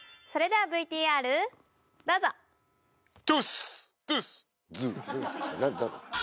それではＶＴＲどうぞ！